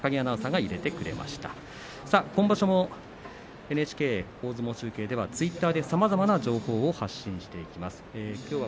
今場所もＮＨＫ大相撲中継では公式ツイッターでさまざまな情報を発信していきます。